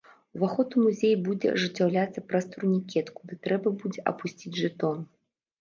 Уваход у музей будзе ажыццяўляцца праз турнікет, куды трэба будзе апусціць жэтон.